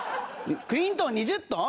クリントン２０トン？